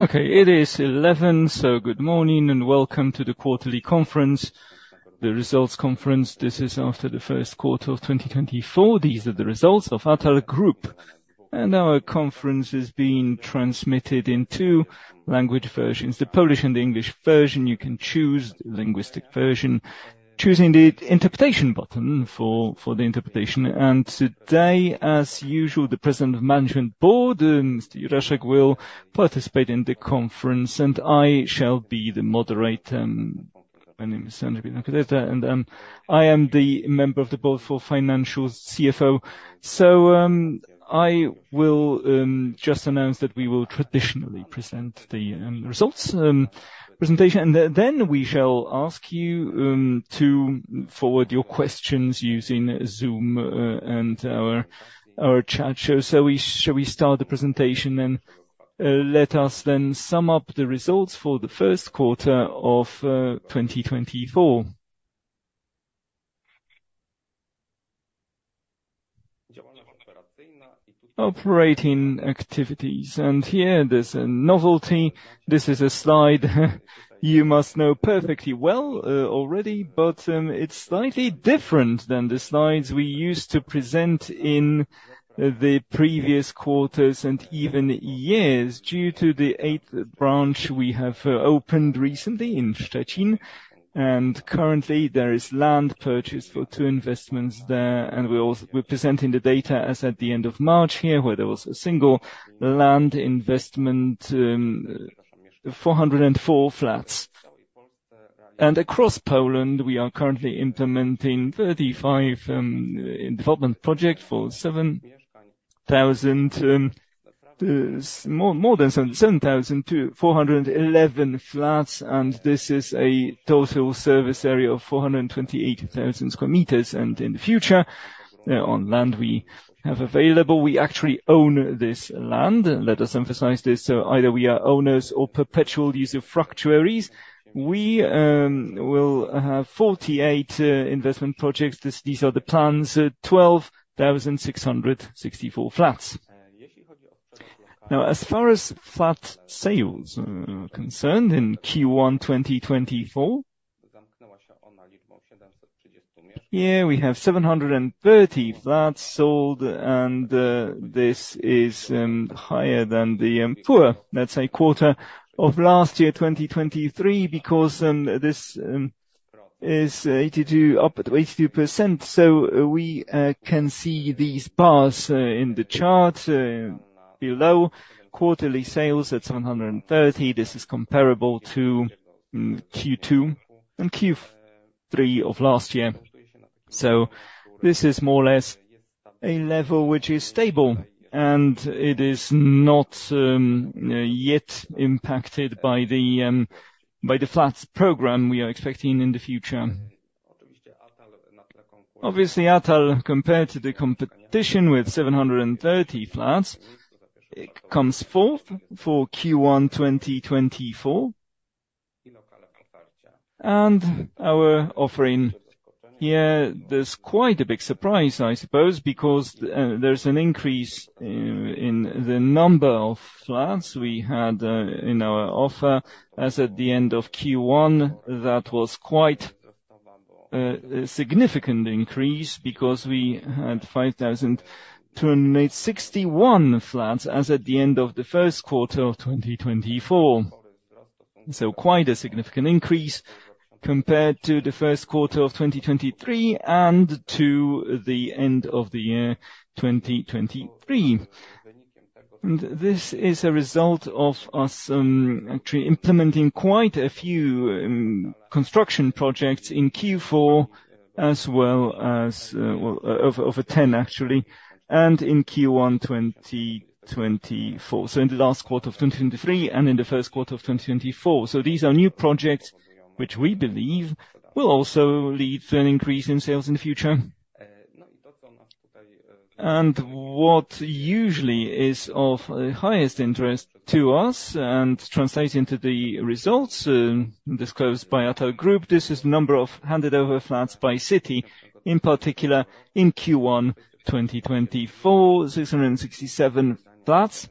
Okay, it is 11, so good morning and welcome to the quarterly conference, the results conference. This is after the Q1 of 2024. These are the results of Atal S.A., and our conference is being transmitted in two language versions, the Polish and the English version. You can choose the linguistic version, choosing the interpretation button for the interpretation. Today, as usual, the President of the Management Board, Mr. Juroszek, will participate in the conference, and I shall be the moderator. My name is Andrzej Biedronka-Tetla, and I am the member of the Board for Financial CFO. So, I will just announce that we will traditionally present the results presentation, and then we shall ask you to forward your questions using Zoom and our chat show. So shall we start the presentation then? Let us then sum up the results for the Q1 of 2024. Operating activities, and here there's a novelty. This is a slide you must know perfectly well already, but it's slightly different than the slides we used to present in the previous quarters and even years due to the eighth branch we have opened recently in Szczecin, and currently there is land purchased for 2 investments there. And we also... We're presenting the data as at the end of March here, where there was a single land investment, 404 flats. And across Poland, we are currently implementing 35 development project for more than 7,411 flats, and this is a total service area of 428,000 square meters. And in the future, on land we have available, we actually own this land. Let us emphasize this, so either we are owners or perpetual usufructuaries. We will have 48 investment projects. These are the plans, 12,664 flats. Now, as far as flat sales are concerned, in Q1 2024, here we have 730 flats sold, and this is higher than the prior, let's say, quarter of last year, 2023, because this is 82 up at 82%. So we can see these bars in the chart below. Quarterly sales at 730, this is comparable to Q2 and Q3 of last year. So this is more or less a level which is stable, and it is not yet impacted by the flats program we are expecting in the future. Obviously, Atal, compared to the competition with 730 flats, it comes forth for Q1 2024. And our offering here, there's quite a big surprise, I suppose, because there's an increase in the number of flats we had in our offer. As at the end of Q1, that was quite a significant increase because we had 5,261 flats as at the end of the Q1 of 2024. So quite a significant increase compared to the Q1 of 2023 and to the end of the year 2023. This is a result of us actually implementing quite a few construction projects in Q4, as well as over 10, actually, and in Q1 2024. So in the last quarter of 2023 and in the Q1 of 2024. So these are new projects, which we believe will also lead to an increase in sales in the future. And what usually is of highest interest to us and translating to the results disclosed by Atal S.A., this is the number of handed over flats by city, in particular in Q1 2024, 667 flats.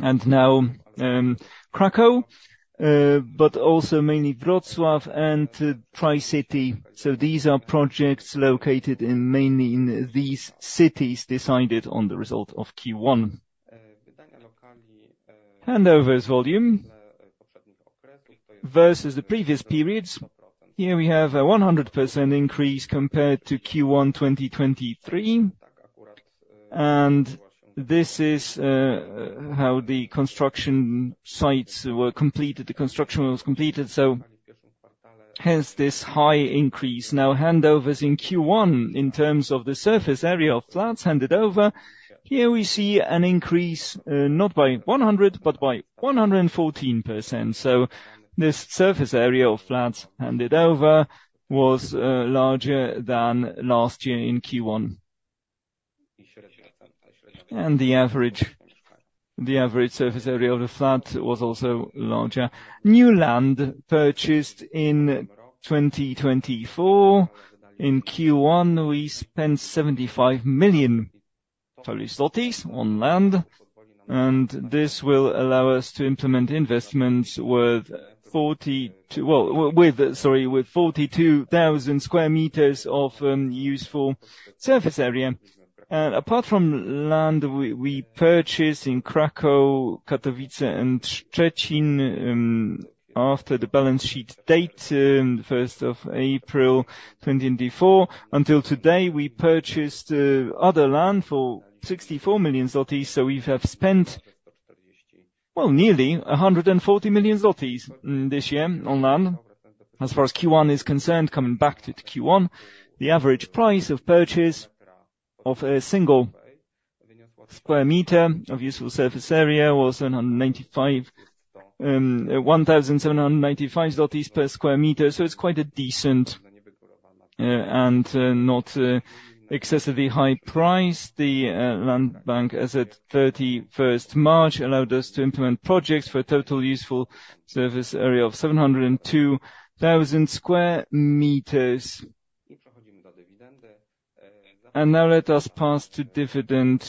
And now, Kraków, but also mainly Wrocław and Tricity. So these are projects located mainly in these cities, decided on the result of Q1. Handovers volume versus the previous periods. Here we have a 100% increase compared to Q1 2023, and this is how the construction sites were completed. The construction was completed, so hence this high increase. Now, handovers in Q1, in terms of the surface area of flats handed over, here we see an increase, not by 100, but by 114%. So this surface area of flats handed over was larger than last year in Q1. And the average, the average surface area of the flat was also larger. New land purchased in 2024. In Q1, we spent 75 million totally zlotys on land, and this will allow us to implement investments worth 42- well, with, sorry, with 42,000 square meters of useful surface area. And apart from land, we purchased in Kraków, Katowice, and Szczecin after the balance sheet date, April 1, 2024. Until today, we purchased other land for 64 million zlotys. So we have spent, well, nearly 140 million zlotys this year on land. As far as Q1 is concerned, coming back to Q1, the average price of purchase of a single square meter of useful surface area was 795, 1,795 PLN per square meter. So it's quite a decent and not excessively high price. The land bank, as of March 31, allowed us to implement projects for a total useful surface area of 702,000 square meters. And now let us pass to dividend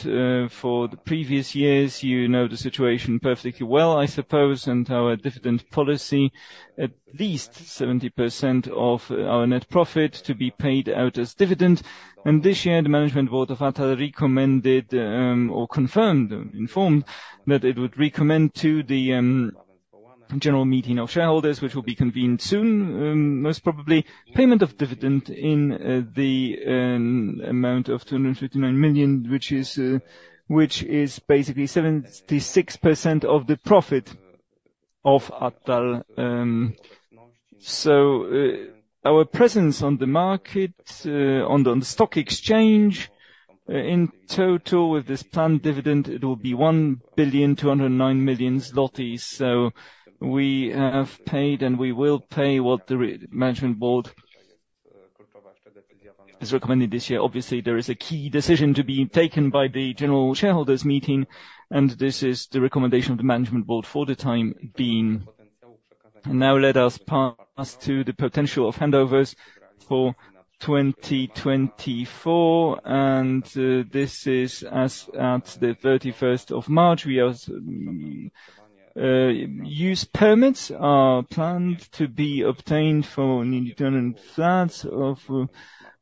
for the previous years. You know the situation perfectly well, I suppose, and our dividend policy, at least 70% of our net profit to be paid out as dividend. This year, the management board of Atal recommended or confirmed, informed that it would recommend to the general meeting of shareholders, which will be convened soon, most probably, payment of dividend in the amount of 259 million, which is basically 76% of the profit of Atal. So, our presence on the market, on the stock exchange, in total, with this planned dividend, it will be 1,209 million zlotys. So we have paid, and we will pay what the management board is recommending this year. Obviously, there is a key decision to be taken by the general shareholders meeting, and this is the recommendation of the management board for the time being. Now, let us pass to the potential of handovers for 2024, and this is as at March 31. Use permits are planned to be obtained for nearly 10 flats, of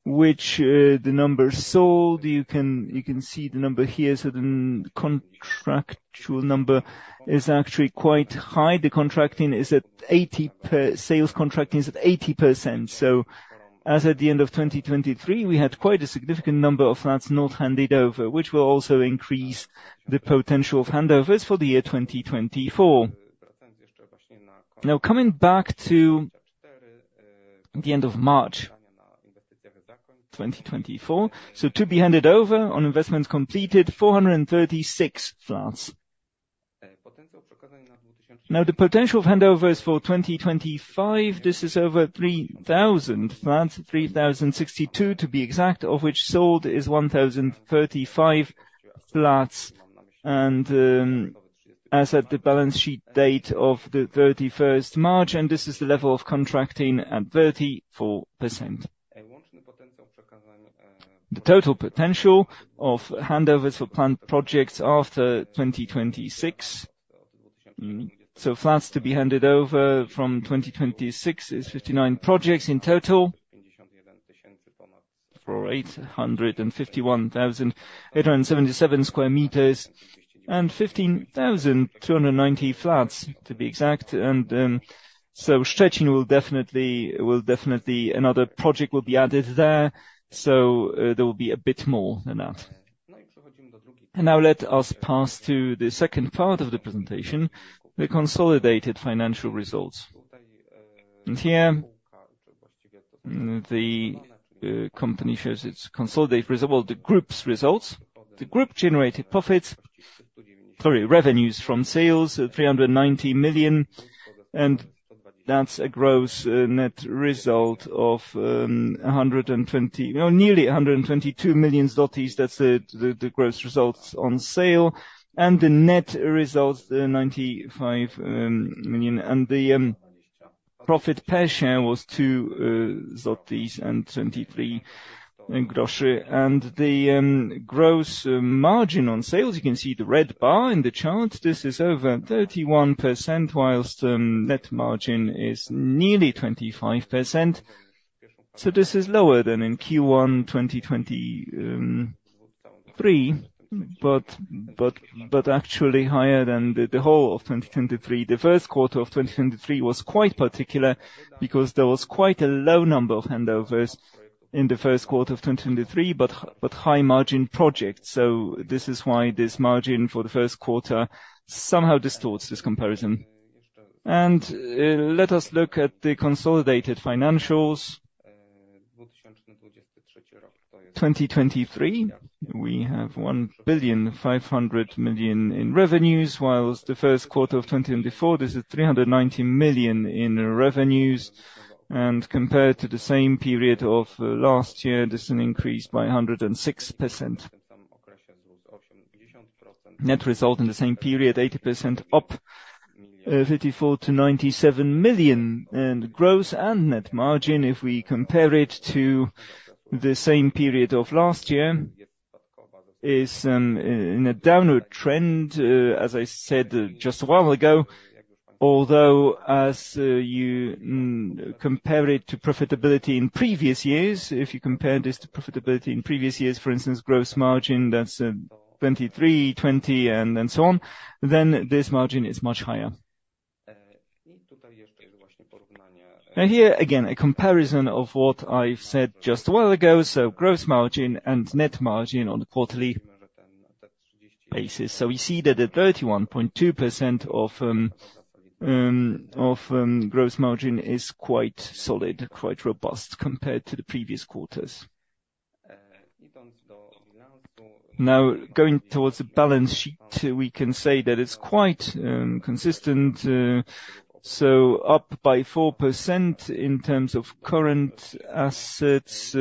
which the number sold, you can see the number here. So the contractual number is actually quite high. Sales contracting is at 80%. So as at the end of 2023, we had quite a significant number of flats not handed over, which will also increase the potential of handovers for the year 2024. Now, coming back to the end of March 2024, so to be handed over on investments completed, 436 flats. Now, the potential of handovers for 2025, this is over 3,000 flats, 3,062 to be exact, of which sold is 1,035 flats, and, as at the balance sheet date of 31 March, and this is the level of contracting at 34%. The total potential of handovers for planned projects after 2026, so flats to be handed over from 2026 is 59 projects in total, for 851,877 square meters and 15,290 flats to be exact. So, Szczecin will definitely, will definitely, another project will be added there, so, there will be a bit more than that. And now let us pass to the second part of the presentation, the consolidated financial results. Here, the company shows its consolidated result, well, the group's results. The group generated profits, sorry, revenues from sales, 390 million, and that's a gross net result of, well, nearly 122 million zlotys. That's the gross results on sale, and the net results, 95 million. The profit per share was 2.23. The gross margin on sales, you can see the red bar in the chart, this is over 31%, whilst net margin is nearly 25%. So this is lower than in Q1 2023, but actually higher than the whole of 2023. The Q1 of 2023 was quite particular because there was quite a low number of handovers in the Q1 of 2023, but high margin projects. So this is why this margin for the Q1 somehow distorts this comparison. And, let us look at the consolidated financials. 2023, we have 1.5 billion in revenues, while the Q1 of 2024, this is 390 million in revenues, and compared to the same period of last year, this an increase by 106%. Net result in the same period, 80% up, fifty-four to ninety-seven million in gross and net margin, if we compare it to the same period of last year, is in a downward trend, as I said just a while ago. Although, as you compare it to profitability in previous years, if you compare this to profitability in previous years, for instance, gross margin, that's 23, 20, and then so on, then this margin is much higher. Here, again, a comparison of what I've said just a while ago, so gross margin and net margin on a quarterly basis. We see that the 31.2% of gross margin is quite solid, quite robust compared to the previous quarters. Now, going towards the balance sheet, we can say that it's quite consistent, so up by 4% in terms of current assets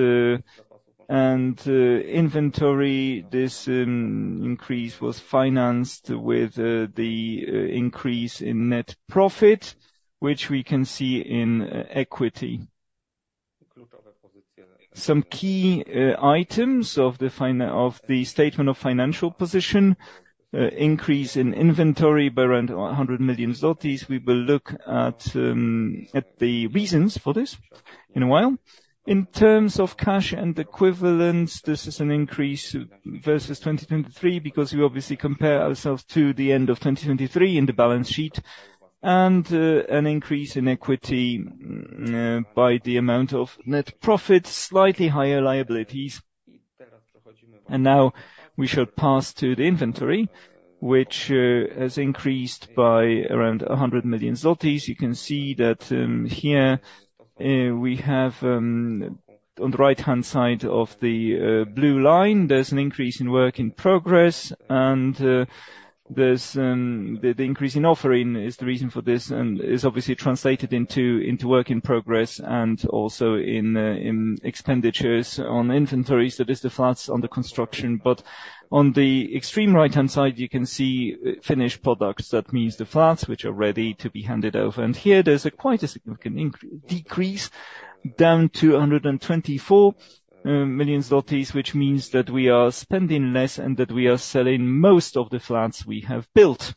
and inventory. This increase was financed with the increase in net profit, which we can see in equity. Some key items of the statement of financial position, increase in inventory by around 100 million zlotys. We will look at the reasons for this in a while. In terms of cash and equivalents, this is an increase versus 2023, because we obviously compare ourselves to the end of 2023 in the balance sheet, and an increase in equity by the amount of net profit, slightly higher liabilities. Now, we shall pass to the inventory, which has increased by around 100 million zlotys. You can see that here, we have on the right-hand side of the blue line, there's an increase in work in progress and there's... The increase in offering is the reason for this, and is obviously translated into work in progress and also in expenditures on inventories, that is the flats under construction. But on the extreme right-hand side, you can see finished products. That means the flats, which are ready to be handed over. And here, there's quite a significant decrease, down to 124 million zlotys, which means that we are spending less and that we are selling most of the flats we have built.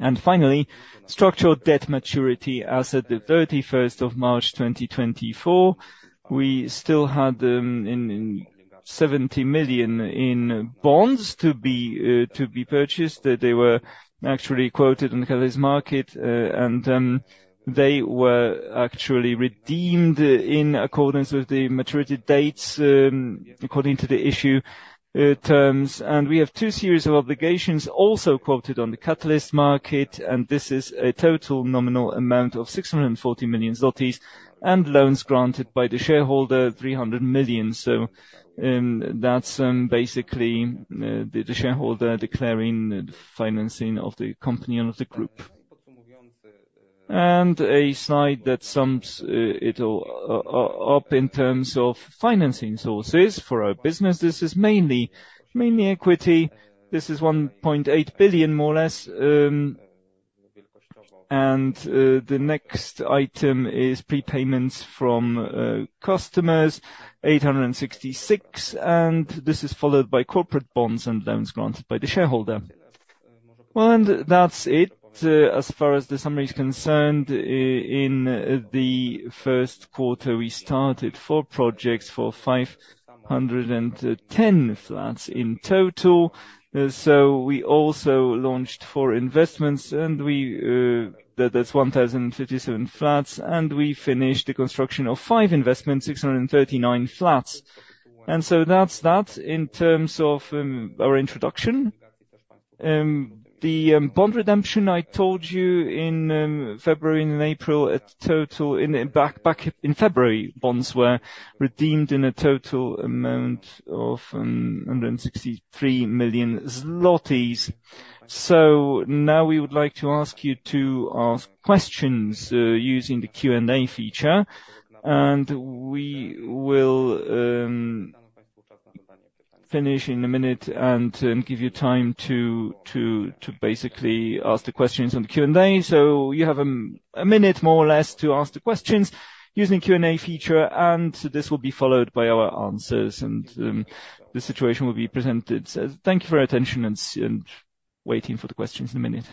And finally, structural debt maturity. As at the thirty-first of March 2024, we still had 70 million in bonds to be purchased. They were actually quoted in the Catalyst market, and they were actually redeemed in accordance with the maturity dates according to the issue terms. We have two series of obligations also quoted on the Catalyst market, and this is a total nominal amount of 640 million zlotys, and loans granted by the shareholder, 300 million. So, that's basically the shareholder declaring the financing of the company and of the group. And a slide that sums it all up in terms of financing sources for our business. This is mainly equity. This is 1.8 billion, more or less, and the next item is prepayments from customers, 866 million, and this is followed by corporate bonds and loans granted by the shareholder. Well, and that's it. As far as the summary is concerned, in the Q1, we started four projects for 510 flats in total. So we also launched four investments, and we... That's 1,057 flats, and we finished the construction of five investments, 639 flats. So that's that, in terms of our introduction. The bond redemption, I told you in February and in April, a total, back in February, bonds were redeemed in a total amount of 163 million zlotys. So now we would like to ask you to ask questions using the Q&A feature, and we will finish in a minute and give you time to basically ask the questions on the Q&A. So you have a minute, more or less, to ask the questions using the Q&A feature, and this will be followed by our answers, and the situation will be presented. So thank you for your attention, and waiting for the questions in a minute.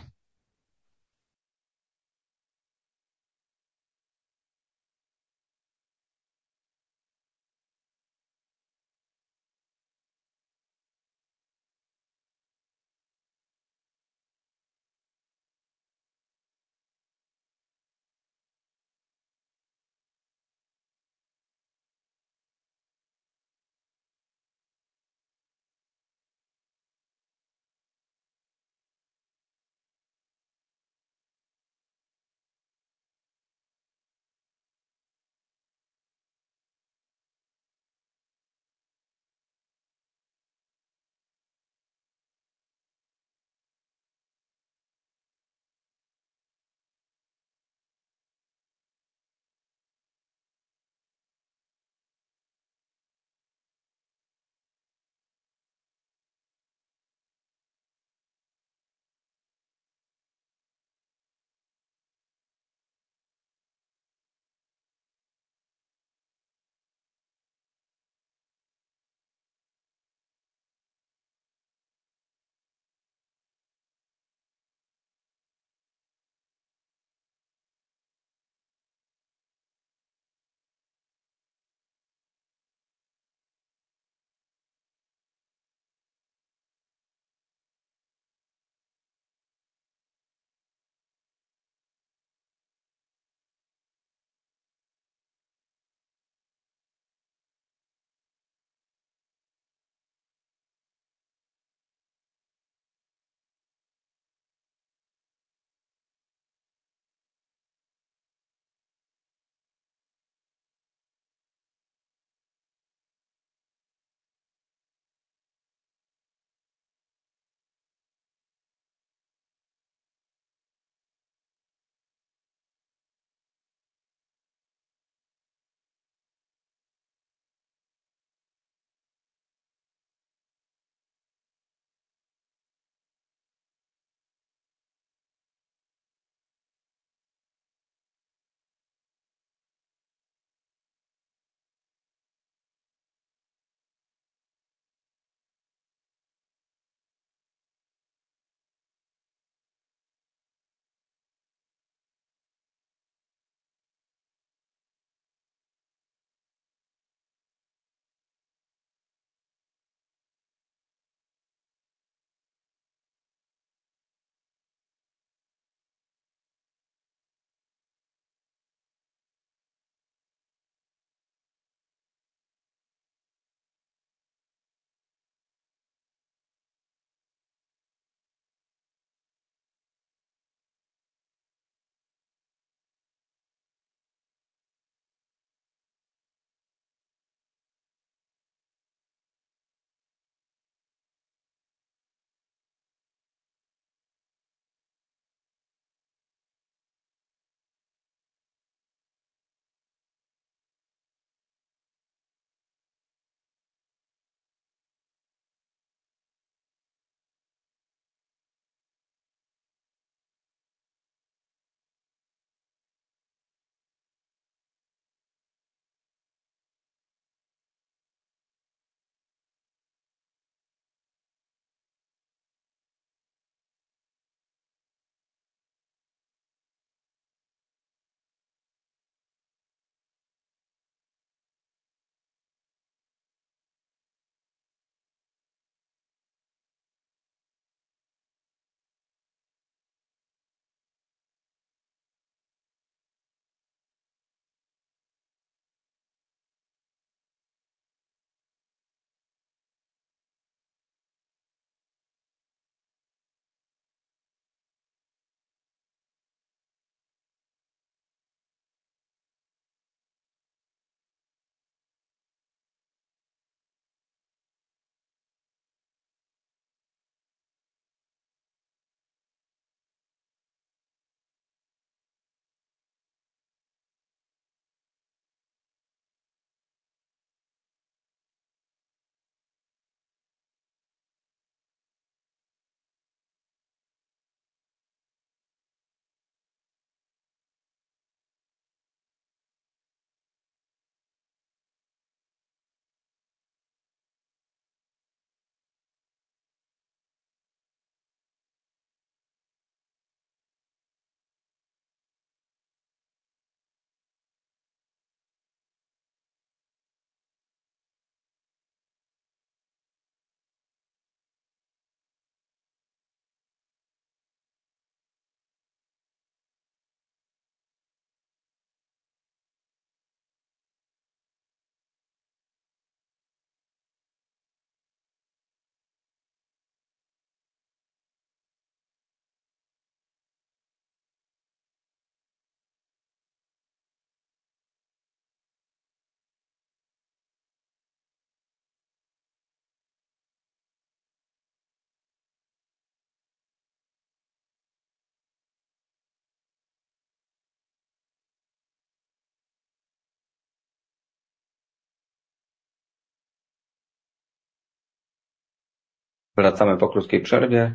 Wracamy po krótkiej przerwie.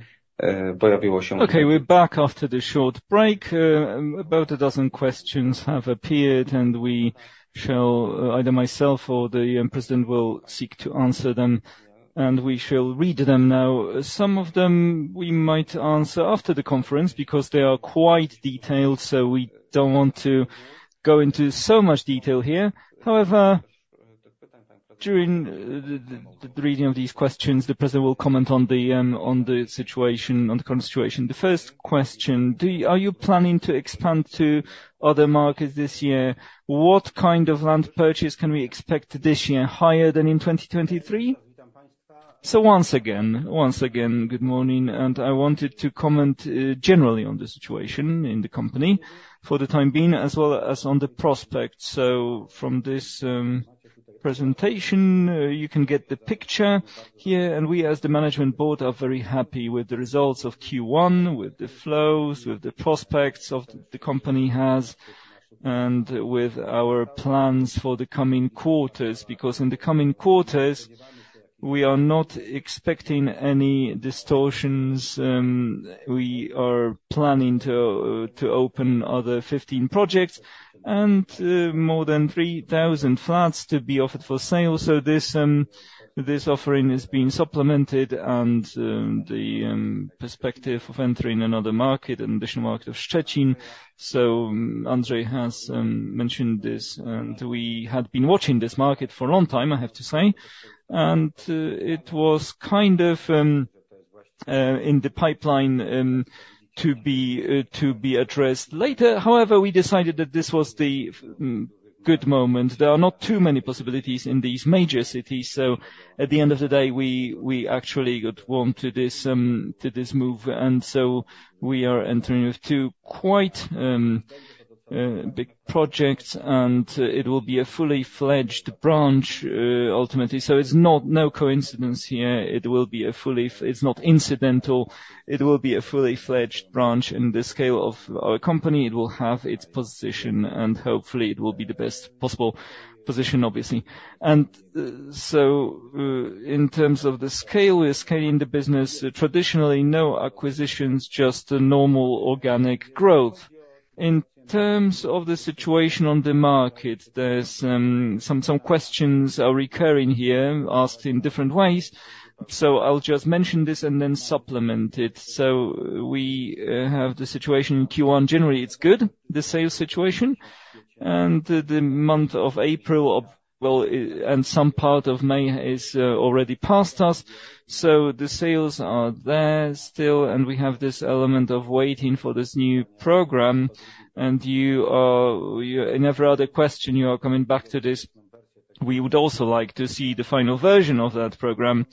Pojawiło się... Okay, we're back after the short break. About a dozen questions have appeared, and we shall, either myself or the president will seek to answer them, and we shall read them now. Some of them we might answer after the conference because they are quite detailed, so we don't want to go into so much detail here. However, during the reading of these questions, the president will comment on the situation, on the current situation. The first question: are you planning to expand to other markets this year? What kind of land purchase can we expect this year, higher than in 2023? So once again, once again, good morning, and I wanted to comment generally on the situation in the company for the time being, as well as on the prospect. So from this presentation, you can get the picture here, and we as the management board are very happy with the results of Q1, with the flows, with the prospects of the company has, and with our plans for the coming quarters. Because in the coming quarters we are not expecting any distortions. We are planning to open other 15 projects and more than 3,000 flats to be offered for sale. So this offering is being supplemented and the perspective of entering another market, an additional market of Szczecin. So Andrzej has mentioned this, and we had been watching this market for a long time, I have to say. It was kind of in the pipeline to be addressed later. However, we decided that this was the good moment. There are not too many possibilities in these major cities, so at the end of the day, we actually got warm to this move, and so we are entering with two quite big projects, and it will be a fully-fledged branch ultimately. So it's not no coincidence here. It's not incidental. It will be a fully-fledged branch in the scale of our company. It will have its position, and hopefully, it will be the best possible position, obviously. So, in terms of the scale, we're scaling the business, traditionally, no acquisitions, just a normal organic growth. In terms of the situation on the market, there's some questions are recurring here, asked in different ways. So I'll just mention this and then supplement it. So we have the situation in Q1. Generally, it's good, the sales situation, and the month of April, well, and some part of May is already past us, so the sales are there still, and we have this element of waiting for this new program. And you are in every other question, you are coming back to this. We would also like to see the final version of that program,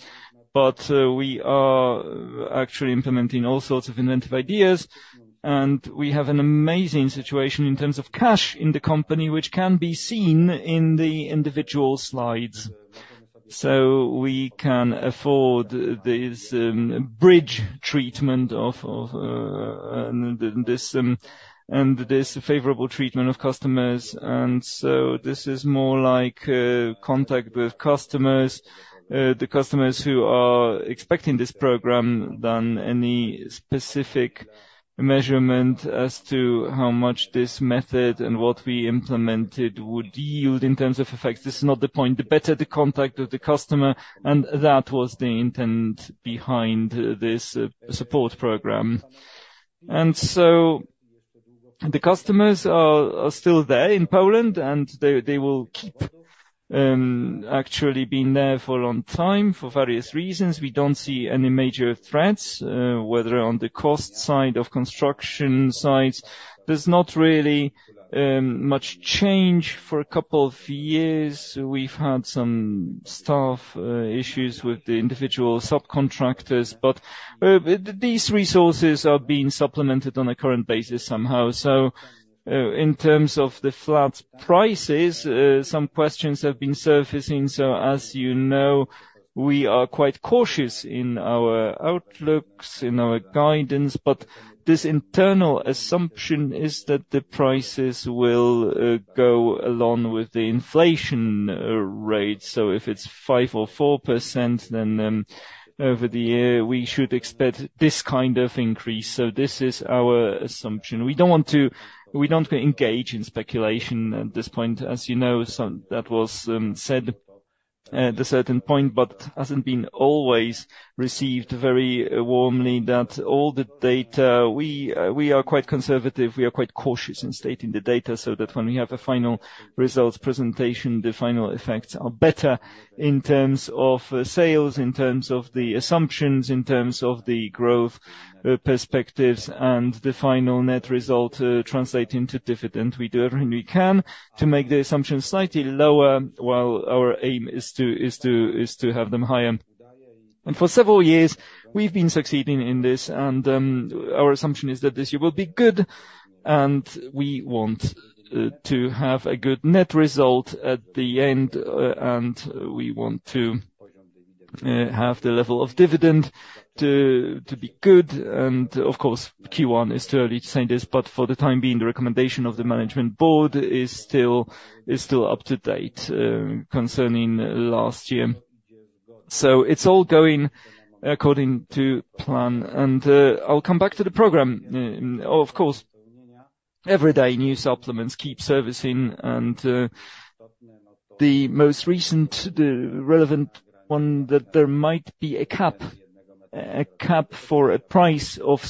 but we are actually implementing all sorts of inventive ideas, and we have an amazing situation in terms of cash in the company, which can be seen in the individual slides. So we can afford this bridge treatment of this and this favorable treatment of customers. And so this is more like a contact with customers, the customers who are expecting this program, than any specific measurement as to how much this method and what we implemented would yield in terms of effect. This is not the point. The better the contact with the customer, and that was the intent behind this support program. And so the customers are still there in Poland, and they will keep actually being there for a long time for various reasons. We don't see any major threats, whether on the cost side of construction sites. There's not really much change for a couple of years. We've had some staff issues with the individual subcontractors, but these resources are being supplemented on a current basis somehow. So, in terms of the flat prices, some questions have been surfacing. So as you know, we are quite cautious in our outlooks, in our guidance, but this internal assumption is that the prices will go along with the inflation rate. So if it's 5% or 4%, then, over the year, we should expect this kind of increase. So this is our assumption. We don't want to engage in speculation at this point. As you know, some... That was said at a certain point, but hasn't been always received very warmly that all the data we are quite conservative, we are quite cautious in stating the data, so that when we have a final results presentation, the final effects are better in terms of sales, in terms of the assumptions, in terms of the growth, perspectives, and the final net result translate into dividend. We do everything we can to make the assumption slightly lower, while our aim is to have them higher. For several years, we've been succeeding in this, and our assumption is that this year will be good, and we want to have a good net result at the end, and we want to have the level of dividend to be good. Of course, Q1 is too early to say this, but for the time being, the recommendation of the management board is still, is still up to date concerning last year. So it's all going according to plan. I'll come back to the program. Of course, every day, new supplements keep surfacing, and the most recent, the relevant one, that there might be a cap, a cap for a price of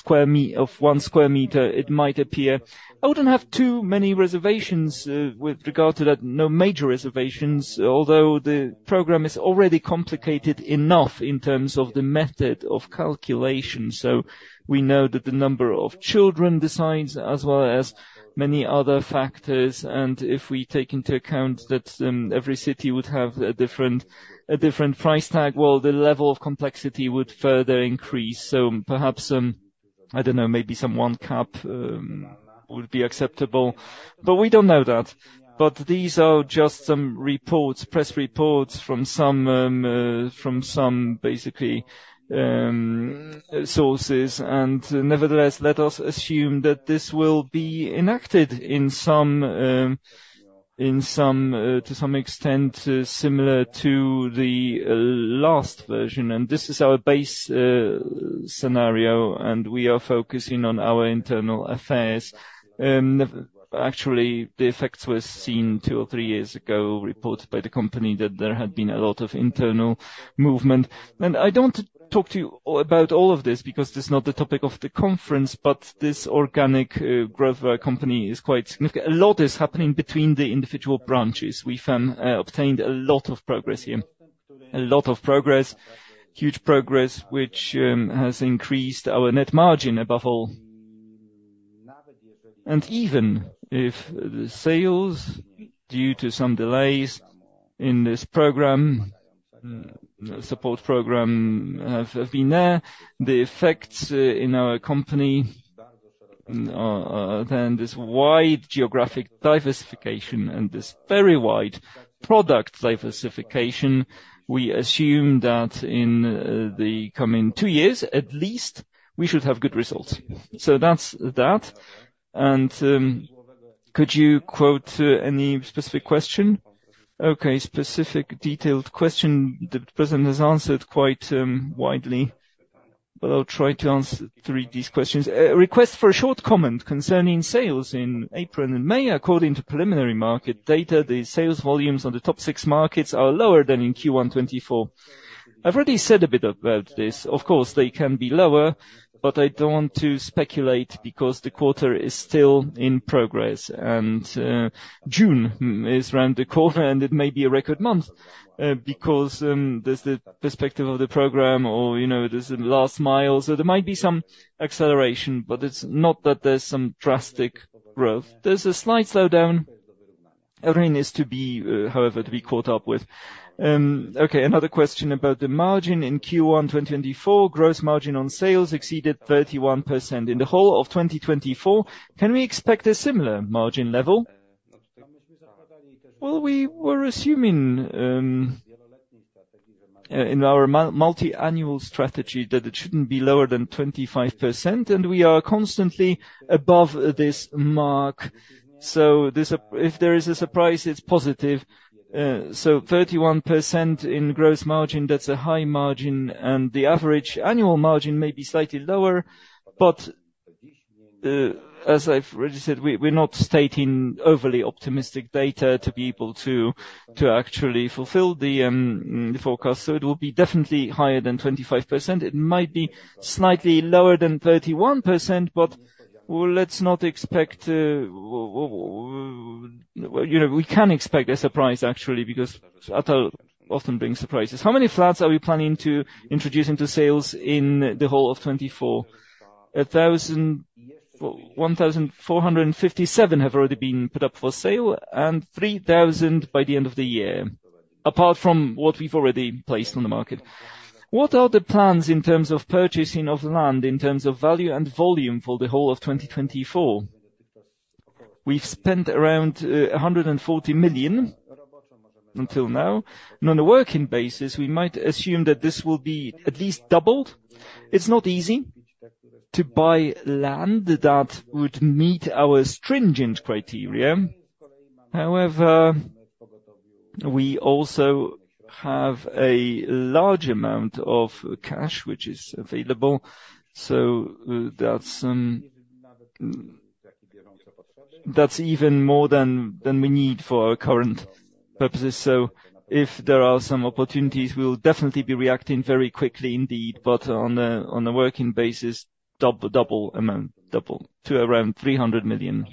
one square meter, it might appear. I wouldn't have too many reservations with regard to that, no major reservations, although the program is already complicated enough in terms of the method of calculation. So we know that the number of children decides, as well as many other factors, and if we take into account that every city would have a different, a different price tag, well, the level of complexity would further increase. So perhaps I don't know, maybe some one cap would be acceptable, but we don't know that. But these are just some reports, press reports from some basically sources. And nevertheless, let us assume that this will be enacted in some to some extent, similar to the last version, and this is our base scenario, and we are focusing on our internal affairs. Actually, the effects were seen 2 or 3 years ago, reported by the company, that there had been a lot of internal movement. I don't want to talk to you about all of this, because that's not the topic of the conference, but this organic growth of our company is quite significant. A lot is happening between the individual branches. We've obtained a lot of progress here. A lot of progress, huge progress, which has increased our net margin, above all. And even if the sales, due to some delays in this program support program, have been there, the effects in our company are then this wide geographic diversification and this very wide product diversification, we assume that in the coming two years, at least, we should have good results. So that's that. Could you quote any specific question? Okay, specific detailed question. The president has answered quite widely, but I'll try to answer three of these questions. A request for a short comment concerning sales in April and May. According to preliminary market data, the sales volumes on the top six markets are lower than in Q1 2024. I've already said a bit about this. Of course, they can be lower, but I don't want to speculate because the quarter is still in progress, and June is around the corner, and it may be a record month because there's the perspective of the program or, you know, there's the last mile. So there might be some acceleration, but it's not that there's some drastic growth. There's a slight slowdown. Everything is to be, however, to be caught up with. Okay, another question about the margin in Q1 2024. Gross margin on sales exceeded 31%. In the whole of 2024, can we expect a similar margin level? Well, we were assuming in our multi-annual strategy that it shouldn't be lower than 25%, and we are constantly above this mark. So if there is a surprise, it's positive. So 31% in gross margin, that's a high margin, and the average annual margin may be slightly lower, but as I've already said, we're not stating overly optimistic data to be able to actually fulfill the forecast. So it will be definitely higher than 25%. It might be slightly lower than 31%, but well, let's not expect to... Well, you know, we can expect a surprise, actually, because Atal often brings surprises. How many flats are we planning to introduce into sales in the whole of 2024? 1,000... 1,457 have already been put up for sale, and 3,000 by the end of the year, apart from what we've already placed on the market. What are the plans in terms of purchasing of land, in terms of value and volume for the whole of 2024? We've spent around 140 million until now. On a working basis, we might assume that this will be at least doubled. It's not easy to buy land that would meet our stringent criteria. However, we also have a large amount of cash which is available, so that's even more than we need for our current purposes. So if there are some opportunities, we will definitely be reacting very quickly indeed, but on a working basis, double amount, double to around 300 million.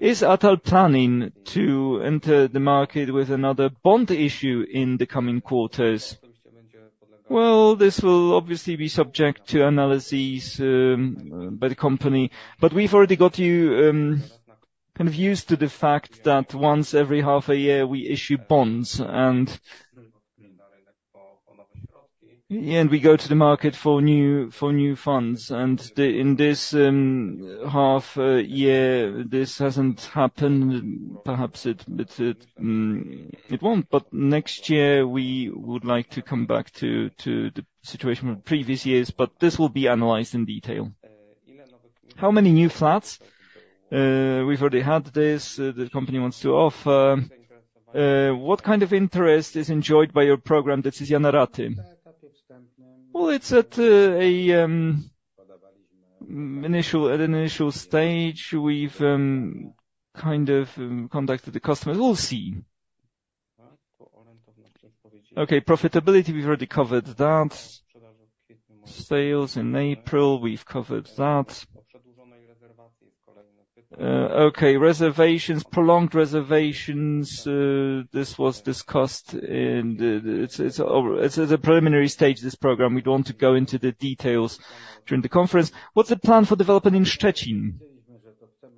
Is Atal planning to enter the market with another bond issue in the coming quarters? Well, this will obviously be subject to analyses by the company, but we've already got you kind of used to the fact that once every half a year, we issue bonds, and, yeah, and we go to the market for new funds. And the, in this half year, this hasn't happened. Perhaps it won't, but next year we would like to come back to the situation with previous years, but this will be analyzed in detail. How many new flats? We've already had this, the company wants to offer. What kind of interest is enjoyed by your program, Decyzja na raty? Well, it's at an initial stage. We've kind of contacted the customers. We'll see. Okay, profitability, we've already covered that. Sales in April, we've covered that. Okay, reservations, prolonged reservations, this was discussed in the... It's at a preliminary stage, this program. We don't want to go into the details during the conference. What's the plan for development in Szczecin?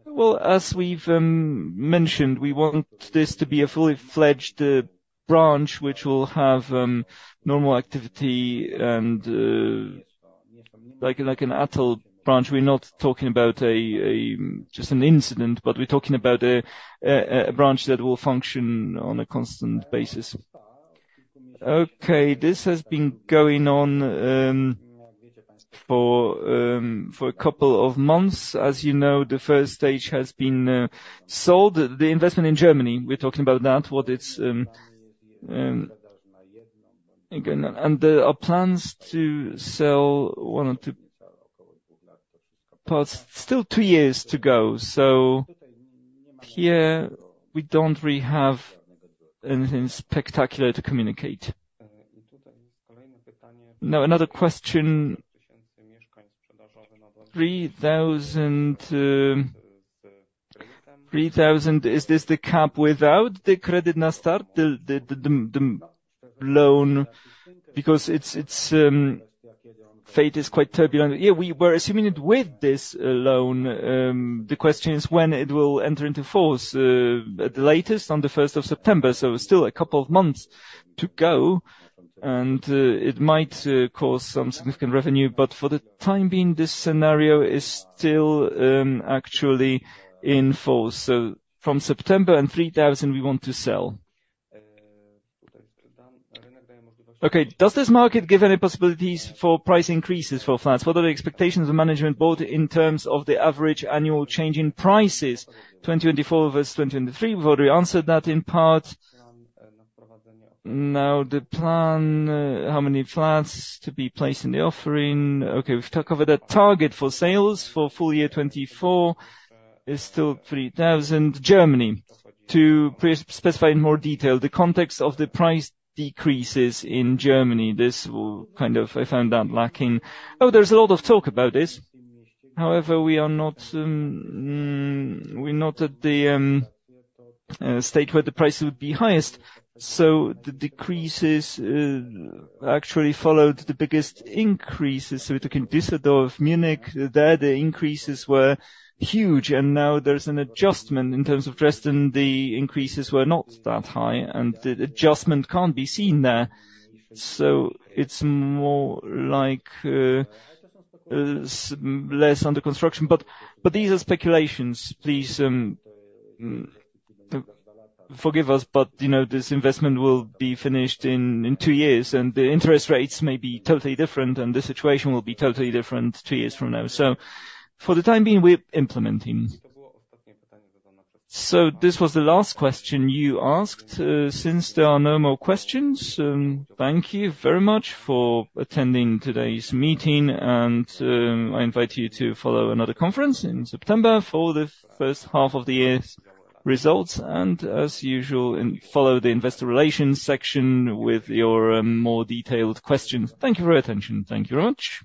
Well, as we've mentioned, we want this to be a fully-fledged branch, which will have normal activity and like an Atal branch. We're not talking about just an incident, but we're talking about a branch that will function on a constant basis.... Okay, this has been going on for a couple of months. As you know, the first stage has been sold. The investment in Germany, we're talking about that, what it's again,... There are plans to sell one or two, but still two years to go. So here, we don't really have anything spectacular to communicate. Now, another question, 3,000, is this the cap without the Credit na Start, the loan? Because it's fate is quite turbulent. Yeah, we were assuming it with this loan. The question is when it will enter into force? At the latest, on the first of September, so still a couple of months to go, and it might cause some significant revenue, but for the time being, this scenario is still actually in force. So from September and 3,000, we want to sell. Okay, does this market give any possibilities for price increases for flats? What are the expectations of management, both in terms of the average annual change in prices, 2024 versus 2023? We've already answered that in part. Now, the plan, how many flats to be placed in the offering? Okay, we've covered that. Target for sales for full year 2024 is still 3,000. Germany, to pre-specify in more detail, the context of the price decreases in Germany. This will kind of, I found that lacking. Oh, there's a lot of talk about this. However, we are not, we're not at the state where the prices would be highest. So the decreases actually followed the biggest increases. So we're talking Düsseldorf, Munich, there, the increases were huge, and now there's an adjustment. In terms of Dresden, the increases were not that high, and the adjustment can't be seen there. So it's more like less under construction. But these are speculations. Please forgive us, but you know, this investment will be finished in two years, and the interest rates may be totally different, and the situation will be totally different two years from now. So for the time being, we're implementing. So this was the last question you asked. Since there are no more questions, thank you very much for attending today's meeting, and I invite you to follow another conference in September for the first half of the year's results. As usual, follow the investor relations section with your more detailed questions. Thank you for your attention. Thank you very much.